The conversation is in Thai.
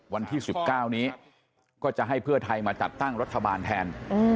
วันที่๑๙นี้ก็จะให้เพื่อไทยมาจัดตั้งรัฐบาลแทน